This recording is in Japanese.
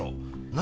何？